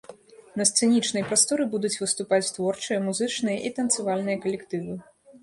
На сцэнічнай прасторы будуць выступаць творчыя музычныя і танцавальныя калектывы.